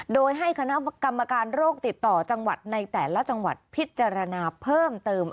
โดยให้คณะกรรมการโรคติดต่อจังหวัดในแต่ละจังหวัดพิจารณาเพิ่มเติม